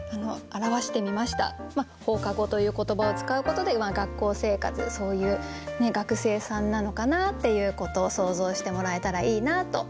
「放課後」という言葉を使うことで学校生活そういう学生さんなのかなっていうことを想像してもらえたらいいなと思いました。